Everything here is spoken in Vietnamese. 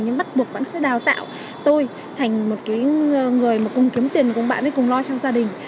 nhưng bắt buộc bạn ấy sẽ đào tạo tôi thành một người cùng kiếm tiền cùng bạn ấy cùng lo cho gia đình